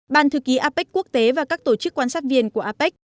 ban thư ký apec quốc tế và các tổ chức quan sát viên của apec